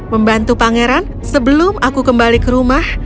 membantu pangeran sebelum aku kembali ke rumah